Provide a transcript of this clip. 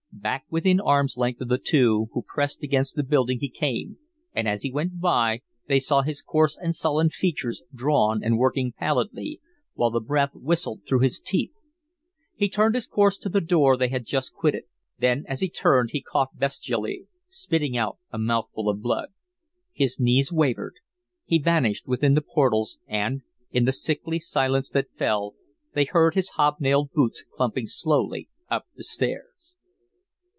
Back within arm's length of the two who pressed against the building he came, and as he went by they saw his coarse and sullen features drawn and working pallidly, while the breath whistled through his teeth. He held his course to the door they had just quitted, then as he turned he coughed bestially, spitting out a mouthful of blood. His knees wavered. He vanished within the portals and, in the sickly silence that fell, they heard his hob nailed boots clumping slowly up the stairs.